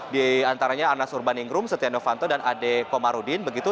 diantaranya anas urbaningrum setia novanto dan ade komaruddin begitu